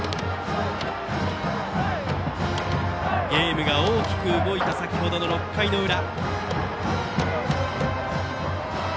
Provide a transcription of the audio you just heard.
ゲームが大きく動いた先程の６回の裏。